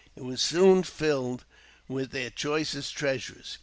It was soon filled with their choicest treasures.